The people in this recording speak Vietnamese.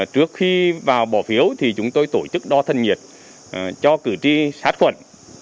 trước khi vào bỏ phiếu thì chúng tôi tổ chức đo thân nhiệt cho cử tri sát khuẩn